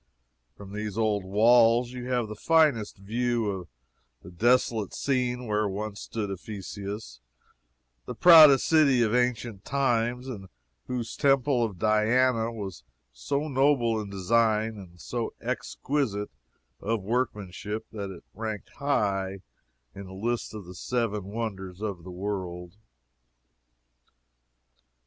From these old walls you have the finest view of the desolate scene where once stood Ephesus, the proudest city of ancient times, and whose Temple of Diana was so noble in design, and so exquisite of workmanship, that it ranked high in the list of the Seven Wonders of the World.